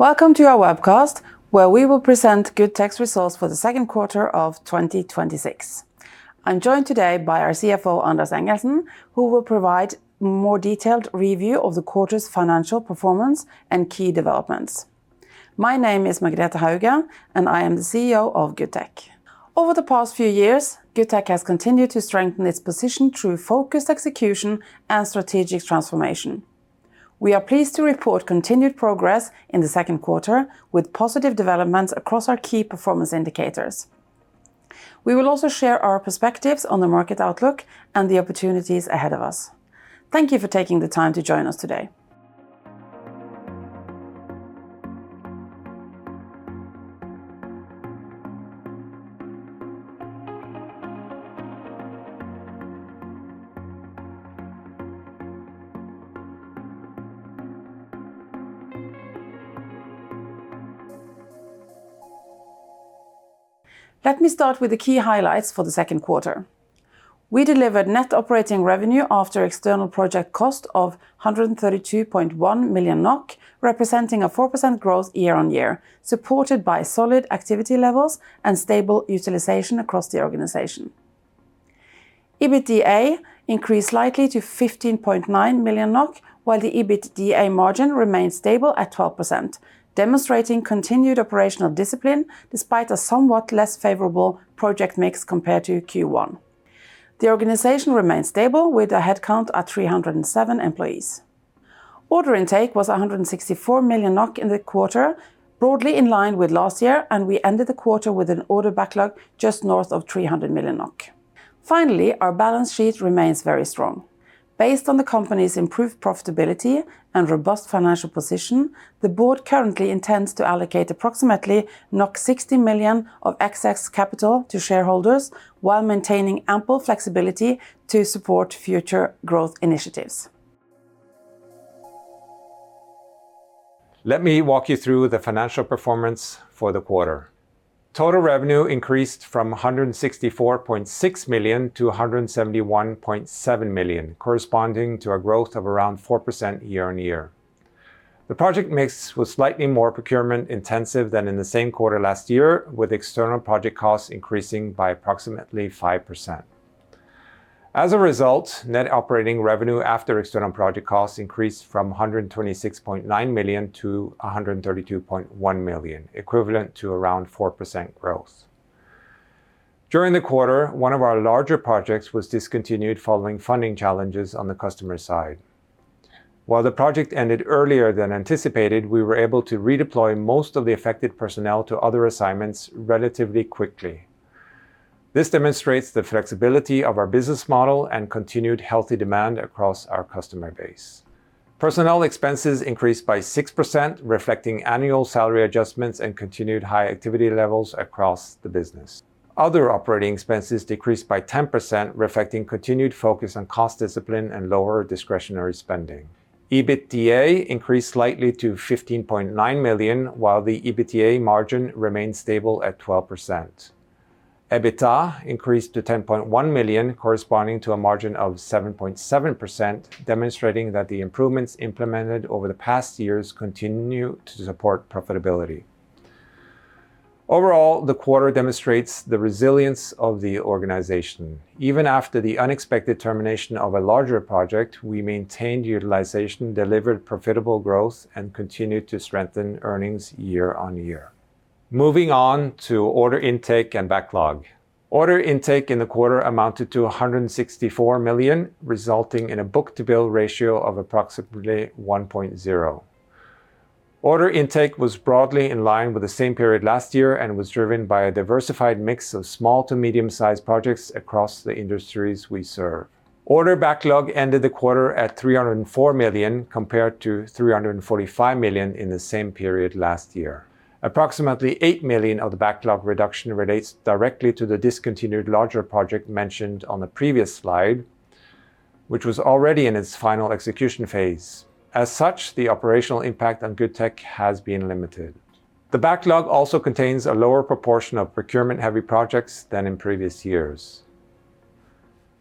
Welcome to our webcast, where we will present Goodtech's results for the second quarter of 2026. I am joined today by our Chief Financial Officer, Anders Engelsen, who will provide a more detailed review of the quarter's financial performance and key developments. My name is Margrethe Hauge, and I am the Chief Executive Officer of Goodtech. Over the past few years, Goodtech has continued to strengthen its position through focused execution and strategic transformation. We are pleased to report continued progress in the second quarter, with positive developments across our key performance indicators. We will also share our perspectives on the market outlook and the opportunities ahead of us. Thank you for taking the time to join us today. Let me start with the key highlights for the second quarter. We delivered net operating revenue after external project cost of 132.1 million NOK, representing a 4% growth year-on-year, supported by solid activity levels and stable utilization across the organization. EBITDA increased slightly to 15.9 million NOK, while the EBITDA margin remained stable at 12%, demonstrating continued operational discipline despite a somewhat less favorable project mix compared to Q1. The organization remained stable with a headcount at 307 employees. Order intake was 164 million NOK in the quarter, broadly in line with last year, and we ended the quarter with an order backlog just north of 300 million NOK. Finally, our balance sheet remains very strong. Based on the company's improved profitability and robust financial position, the board currently intends to allocate approximately 60 million of excess capital to shareholders while maintaining ample flexibility to support future growth initiatives. Let me walk you through the financial performance for the quarter. Total revenue increased from 164.6 million-171.7 million, corresponding to a growth of around 4% year-on-year. The project mix was slightly more procurement intensive than in the same quarter last year, with external project costs increasing by approximately 5%. As a result, net operating revenue after external project costs increased from 126.9 million-132.1 million, equivalent to around 4% growth. During the quarter, one of our larger projects was discontinued following funding challenges on the customer side. While the project ended earlier than anticipated, we were able to redeploy most of the affected personnel to other assignments relatively quickly. This demonstrates the flexibility of our business model and continued healthy demand across our customer base. Personnel expenses increased by 6%, reflecting annual salary adjustments and continued high activity levels across the business. Other operating expenses decreased by 10%, reflecting continued focus on cost discipline and lower discretionary spending. EBITDA increased slightly to 15.9 million, while the EBITDA margin remained stable at 12%. EBITA increased to 10.1 million, corresponding to a margin of 7.7%, demonstrating that the improvements implemented over the past years continue to support profitability. Overall, the quarter demonstrates the resilience of the organization. Even after the unexpected termination of a larger project, we maintained utilization, delivered profitable growth, and continued to strengthen earnings year-on-year. Moving on to order intake and backlog. Order intake in the quarter amounted to 164 million, resulting in a book-to-bill ratio of approximately 1.0. Order intake was broadly in line with the same period last year and was driven by a diversified mix of small to medium-sized projects across the industries we serve. Order backlog ended the quarter at 304 million, compared to 345 million in the same period last year. Approximately 8 million of the backlog reduction relates directly to the discontinued larger project mentioned on the previous slide, which was already in its final execution phase. As such, the operational impact on Goodtech has been limited. The backlog also contains a lower proportion of procurement-heavy projects than in previous years.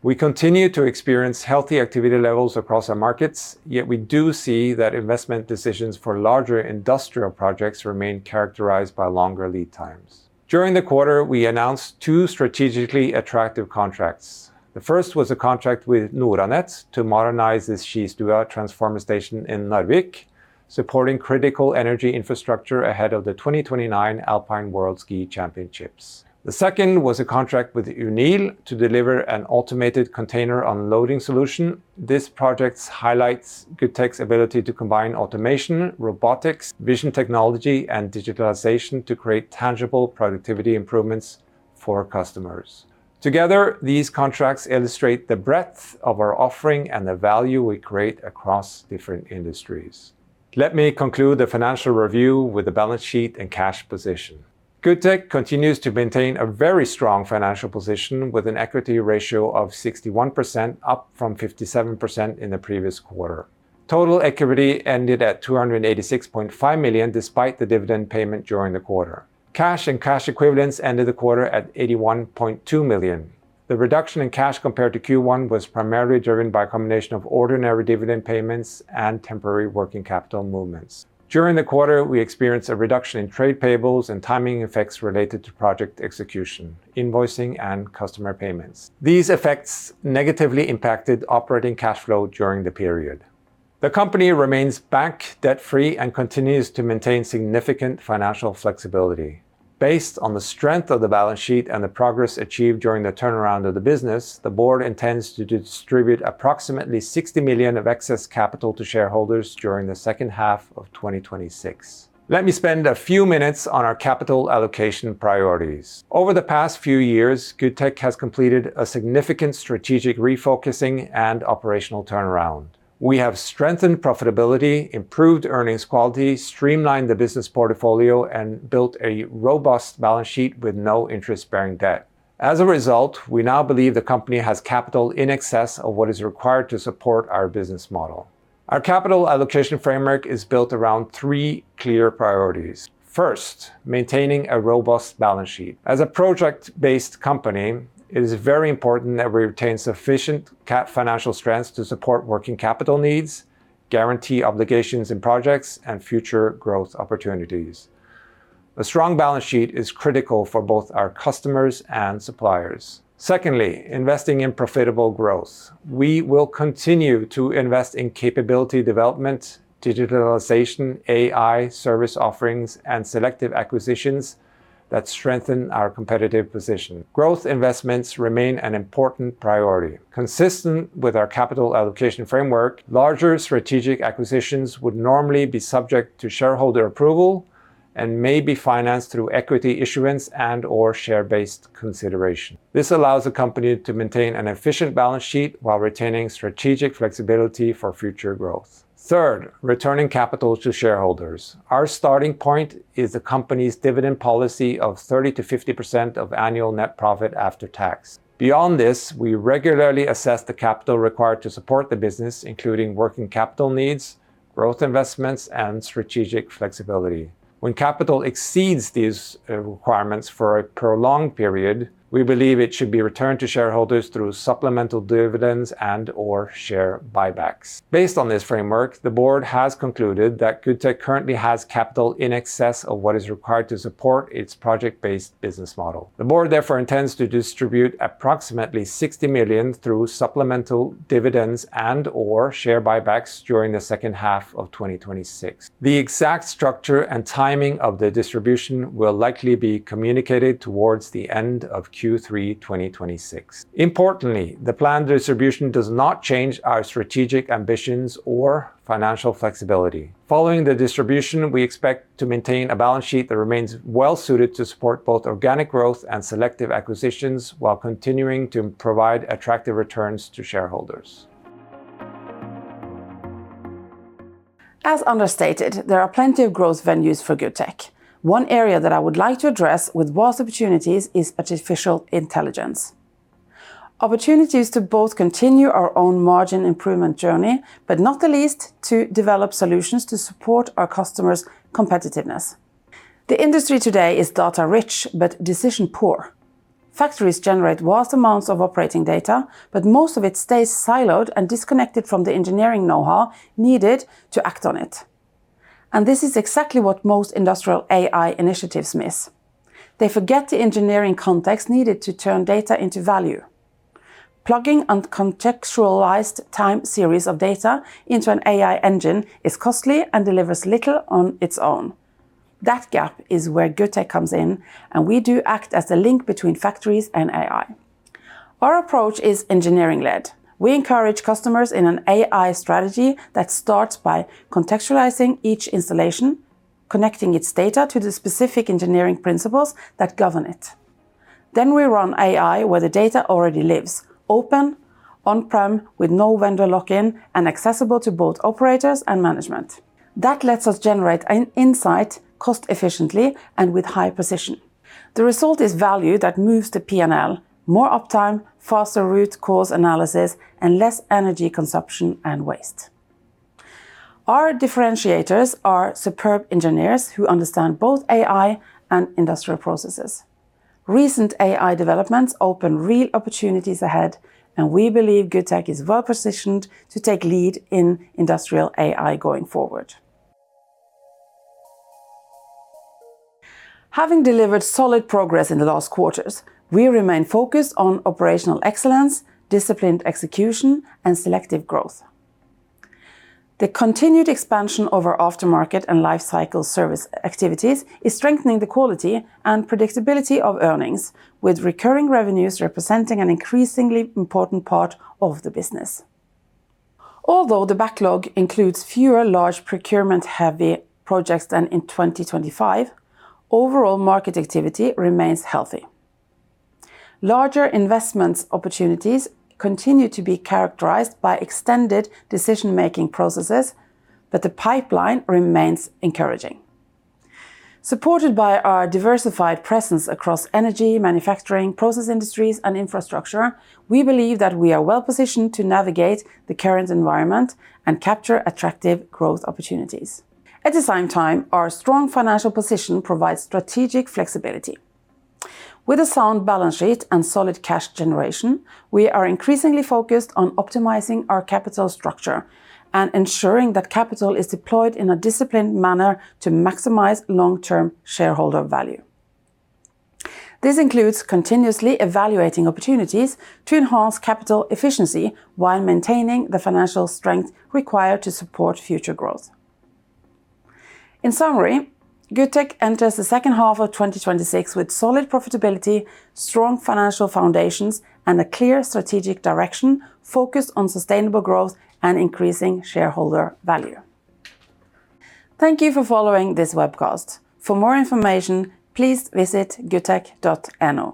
We continue to experience healthy activity levels across our markets, yet we do see that investment decisions for larger industrial projects remain characterized by longer lead times. During the quarter, we announced two strategically attractive contracts. The first was a contract with Noranett to modernize its Skistua transformer station in Narvik, supporting critical energy infrastructure ahead of the 2029 Alpine World Ski Championships. The second was a contract with Unil to deliver an automated container unloading solution. This project highlights Goodtech's ability to combine automation, robotics, vision technology, and digitalization to create tangible productivity improvements for customers. Together, these contracts illustrate the breadth of our offering and the value we create across different industries. Let me conclude the financial review with the balance sheet and cash position. Goodtech continues to maintain a very strong financial position with an equity ratio of 61%, up from 57% in the previous quarter. Total equity ended at 286.5 million, despite the dividend payment during the quarter. Cash and cash equivalents ended the quarter at 81.2 million. The reduction in cash compared to Q1 was primarily driven by a combination of ordinary dividend payments and temporary working capital movements. During the quarter, we experienced a reduction in trade payables and timing effects related to project execution, invoicing, and customer payments. These effects negatively impacted operating cash flow during the period. The company remains bank debt-free and continues to maintain significant financial flexibility. Based on the strength of the balance sheet and the progress achieved during the turnaround of the business, the board intends to distribute approximately 60 million of excess capital to shareholders during the second half of 2026. Let me spend a few minutes on our capital allocation priorities. Over the past few years, Goodtech has completed a significant strategic refocusing and operational turnaround. We have strengthened profitability, improved earnings quality, streamlined the business portfolio, and built a robust balance sheet with no interest-bearing debt. As a result, we now believe the company has capital in excess of what is required to support our business model. Our capital allocation framework is built around three clear priorities. First, maintaining a robust balance sheet. As a project-based company, it is very important that we retain sufficient financial strengths to support working capital needs, guarantee obligations in projects, and future growth opportunities. A strong balance sheet is critical for both our customers and suppliers. Secondly, investing in profitable growth. We will continue to invest in capability development, digitalization, AI service offerings, and selective acquisitions that strengthen our competitive position. Growth investments remain an important priority. Consistent with our capital allocation framework, larger strategic acquisitions would normally be subject to shareholder approval and may be financed through equity issuance and/or share-based consideration. This allows the company to maintain an efficient balance sheet while retaining strategic flexibility for future growth. Third, returning capital to shareholders. Our starting point is the company's dividend policy of 30%-50% of annual net profit after tax. Beyond this, we regularly assess the capital required to support the business, including working capital needs, growth investments, and strategic flexibility. When capital exceeds these requirements for a prolonged period, we believe it should be returned to shareholders through supplemental dividends and/or share buybacks. Based on this framework, the board has concluded that Goodtech currently has capital in excess of what is required to support its project-based business model. The board therefore intends to distribute approximately 60 million through supplemental dividends and/or share buybacks during the second half of 2026. The exact structure and timing of the distribution will likely be communicated towards the end of Q3 2026. Importantly, the planned distribution does not change our strategic ambitions or financial flexibility. Following the distribution, we expect to maintain a balance sheet that remains well-suited to support both organic growth and selective acquisitions while continuing to provide attractive returns to shareholders. As Anders stated, there are plenty of growth venues for Goodtech. One area that I would like to address with vast opportunities is artificial intelligence. Opportunities to both continue our own margin improvement journey, but not the least, to develop solutions to support our customers' competitiveness. The industry today is data rich, but decision poor. Factories generate vast amounts of operating data, but most of it stays siloed and disconnected from the engineering knowhow needed to act on it. This is exactly what most industrial AI initiatives miss. They forget the engineering context needed to turn data into value. Plugging uncontextualized time series of data into an AI engine is costly and delivers little on its own. That gap is where Goodtech comes in, and we do act as the link between factories and AI. Our approach is engineering led. We encourage customers in an AI strategy that starts by contextualizing each installation, connecting its data to the specific engineering principles that govern it. We run AI where the data already lives, open, on-prem, with no vendor lock-in, and accessible to both operators and management. That lets us generate an insight cost efficiently and with high precision. The result is value that moves to P&L, more uptime, faster root cause analysis, and less energy consumption and waste. Our differentiators are superb engineers who understand both AI and industrial processes. Recent AI developments open real opportunities ahead, and we believe Goodtech is well-positioned to take lead in industrial AI going forward. Having delivered solid progress in the last quarters, we remain focused on operational excellence, disciplined execution, and selective growth. The continued expansion of our aftermarket and life cycle service activities is strengthening the quality and predictability of earnings, with recurring revenues representing an increasingly important part of the business. Although the backlog includes fewer large procurement-heavy projects than in 2025, overall market activity remains healthy. Larger investment opportunities continue to be characterized by extended decision-making processes, but the pipeline remains encouraging. Supported by our diversified presence across energy, manufacturing, process industries, and infrastructure, we believe that we are well-positioned to navigate the current environment and capture attractive growth opportunities. At the same time, our strong financial position provides strategic flexibility. With a sound balance sheet and solid cash generation, we are increasingly focused on optimizing our capital structure and ensuring that capital is deployed in a disciplined manner to maximize long-term shareholder value. This includes continuously evaluating opportunities to enhance capital efficiency while maintaining the financial strength required to support future growth. In summary, Goodtech enters the second half of 2026 with solid profitability, strong financial foundations, and a clear strategic direction focused on sustainable growth and increasing shareholder value. Thank you for following this webcast. For more information, please visit goodtech.no.